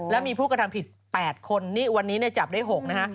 แล้วมีผู้กระทำผิด๘คนนี่วันนี้จับได้๖นะฮะ